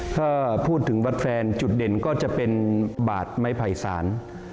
ถ้าพูดถึงวัดแฟนจุดเด่นก็จะเป็นบาดไม้ไผ่สาร